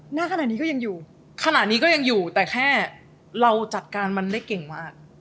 หน้าขนาดนี้ก็ยังอยู่ขณะนี้ก็ยังอยู่แต่แค่เราจัดการมันได้เก่งมาก